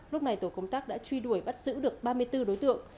lúc này tổ công tác đã truy đuổi bắt giữ được ba mươi bốn đối tượng